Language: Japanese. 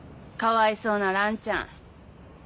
かわいそうなランちゃん。